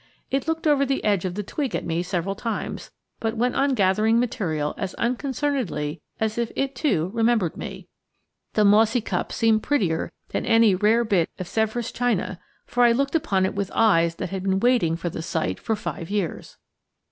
It looked over the edge of the twig at me several times, but went on gathering material as unconcernedly as if it, too, remembered me. The mossy cup seemed prettier than any rare bit of Sèvres china, for I looked upon it with eyes that had been waiting for the sight for five years.